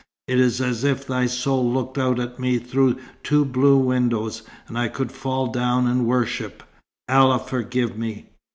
It is as if thy soul looked out at me through two blue windows, and I could fall down and worship, Allah forgive me!